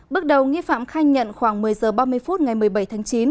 bước đầu nghi phạm khai nhận khoảng một mươi h ba mươi phút ngày một mươi bảy tháng chín